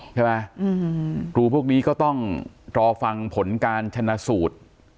ใช่ไหมครูพวกนี้ก็ต้องรอฟังผลการชนะสูตร